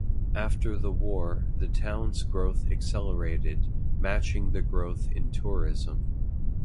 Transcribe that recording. After the war, the town's growth accelerated, matching the growth in tourism.